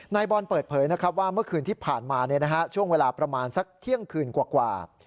นายบอลเปิดเผยนะครับว่าเมื่อคืนที่ผ่านมาช่วงเวลาประมาณสักเที่ยงคืนกว่า